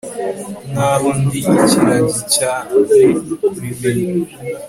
nkaho ndi ikiragi cyane kubimenya